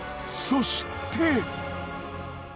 そして！